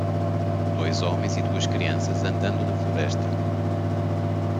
Dois homens e duas crianças andando na floresta.